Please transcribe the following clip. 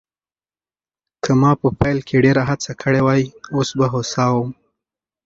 که ما په پیل کې ډېره هڅه کړې وای، اوس به هوسا وم.